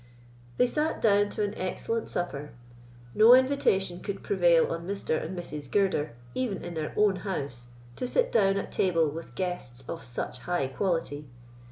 They sat down to an excellent supper. No invitation could prevail on Mr. and Mrs. Girder, even in their own house, to sit down at table with guests of such high quality.